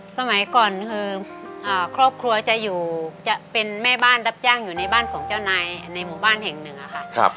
สมัยก่อนคือครอบครัวจะอยู่จะเป็นแม่บ้านรับจ้างอยู่ในบ้านของเจ้านายในหมู่บ้านแห่งหนึ่งค่ะ